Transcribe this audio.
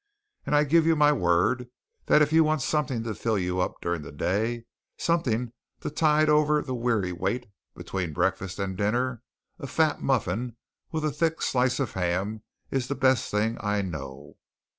And I give you my word that if you want something to fill you up during the day, something to tide over the weary wait between breakfast and dinner, a fat muffin with a thick slice of ham is the best thing I know."